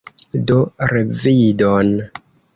Do, revidon!